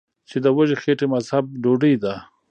چې د وږې خېټې مذهب ډوډۍ ده ـ